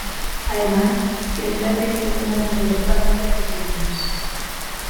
Además, siempre han tenido las mayores bases de aficionados.